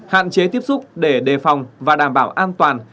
hạn chế tiếp xúc để đề phòng và đảm bảo an toàn